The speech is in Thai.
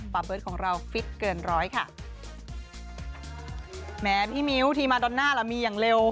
เบิร์ตของเราฟิตเกินร้อยค่ะแม้พี่มิ้วทีมาดอนน่าล่ะมีอย่างเร็ว